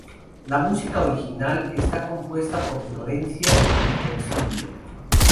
La música original está compuesta por Florencia Di Concilio.